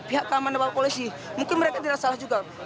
pihak kaman depok polisi mungkin mereka tidak salah juga